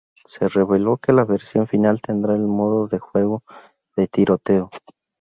Se reveló que la versión final tendrá el modo de juego de Tiroteo.